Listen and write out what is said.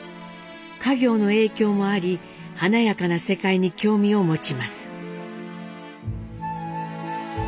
家業の影響もあり華やかな世界に興味を持ちます。